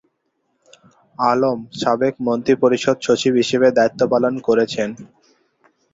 আলম সাবেক মন্ত্রিপরিষদ সচিব হিসেবে দায়িত্ব পালন করেছেন।